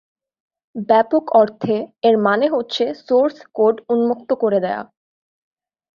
ব্যাপক অর্থে এর মানে হচ্ছে সোর্স কোড উন্মুক্ত করে দেয়া।